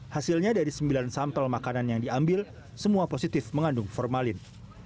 hasilnya dari sembilan sampel makanan yang diambil semua positif mengandung formalin